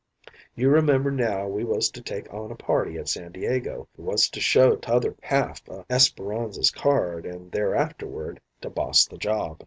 You remember now we was to take on a party at San Diego who was to show t'other half o' Esperanza's card, an' thereafterward to boss the job.